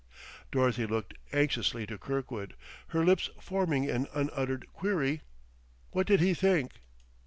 Dorothy looked anxiously to Kirkwood, her lips forming an unuttered query: What did he think?